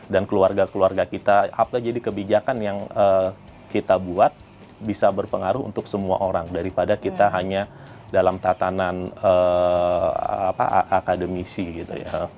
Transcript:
dan keluarga keluarga kita apakah jadi kebijakan yang kita buat bisa berpengaruh untuk semua orang daripada kita hanya dalam tatanan akademisi gitu ya